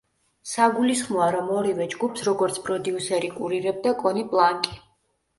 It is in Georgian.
საგულისხმოა, რომ ორივე ჯგუფს როგორც პროდიუსერი კურირებდა კონი პლანკი.